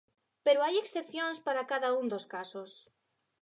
Pero hai excepcións para cada un dos casos.